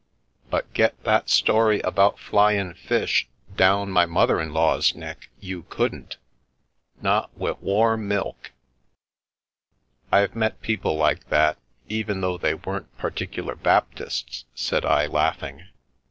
But get that story about flyin' fish down my mother in law's neck you couldn't — not wi' warm milk!" " I've met people like that, even though they weren't Particular Baptists," said I, laughing.